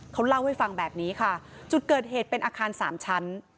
เขาเล่าให้ฟังแบบนี้ค่ะจุดเกิดเหตุเป็นอาคารสามชั้น